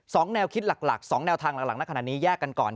แนวคิดหลักหลักสองแนวทางหลังณขณะนี้แยกกันก่อน